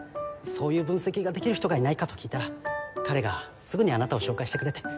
そういう分析ができる人がいないかと聞いたら彼がすぐにあなたを紹介してくれて。